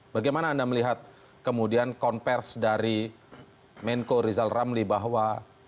bagaimana anda melihat kemudian konversi dari menko rizal ramli bahwa